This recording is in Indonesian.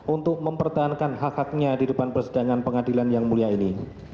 untuk mempertahankan hak haknya di depan persidangan pengadilan yang mulia ini